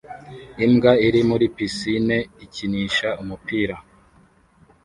Imbwa iri muri pisine ikinisha umupira